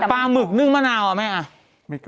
ปลาหมึกนึกมะนาวล่ะไหมอะ